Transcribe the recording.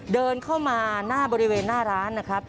เดินเข้ามาหน้าบริเวณหน้าร้านนะครับ